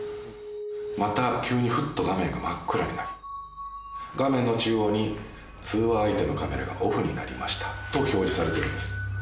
また急にふっと画面が真っ暗になり画面の中央に「通話相手のカメラがオフになりました」と表示されているんです